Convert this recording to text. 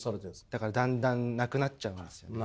だからだんだんなくなっちゃうんですよね。